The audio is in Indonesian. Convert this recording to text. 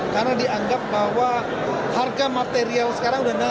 karena dianggap bahwa harga material sekarang sudah naik